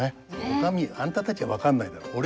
「お上あんたたちは分かんないだろう。